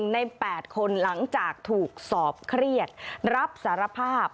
ใน๘คนหลังจากถูกสอบเครียดรับสารภาพ